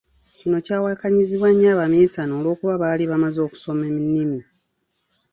Kino kyawakanyizibwa nnyo abaminsane olw'okuba baali bamaze okusoma ennimi.